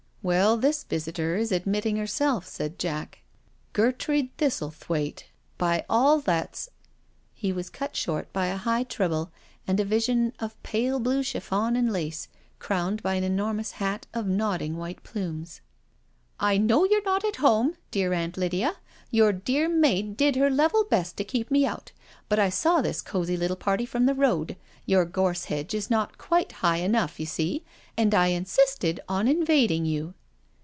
" Well, this visitor is admitting herself," said Jack. '* Gertrude Thistlethwaite, by all that's •.." He was cut short by a high treble and a vision of pale blue chiffon and lace, crowned by an enormous hat of nod ding white plumes. " I know you're not at home, dear Aunt Lydia. Your little maid did her level best to keep me out, but I saw this cosy little party from the road— your gorse hedge is not quite high enough, you see, and I insisted on invading you."